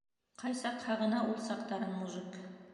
Ҡай саҡ һағына ул саҡтарын мужик.